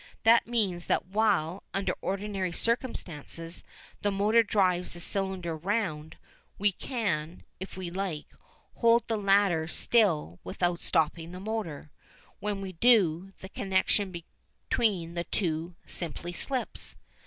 That means that while, under ordinary circumstances, the motor drives the cylinder round, we can, if we like, hold the latter still without stopping the motor. When we do so, the connection between the two simply slips.